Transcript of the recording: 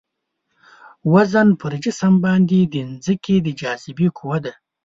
وزن پر جسم باندې د ځمکې د جاذبې قوه ده.